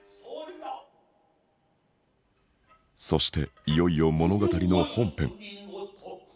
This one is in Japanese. そしていよいよ物語の本編。